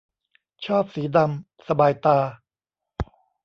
ชอบสีดำ สบายตา